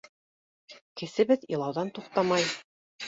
Кесебеҙ илауҙан туҡтамай: